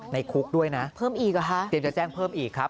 ในคุกด้วยนะเตรียมจะแจ้งเพิ่มอีกครับ